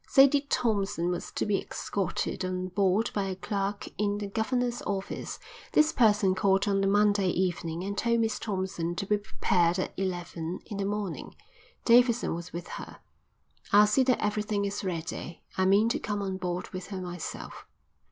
Sadie Thompson was to be escorted on board by a clerk in the governor's office. This person called on the Monday evening and told Miss Thompson to be prepared at eleven in the morning. Davidson was with her. "I'll see that everything is ready. I mean to come on board with her myself."